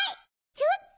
ちょっと！